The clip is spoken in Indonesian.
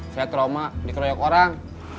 saya trauma dikeroyok orang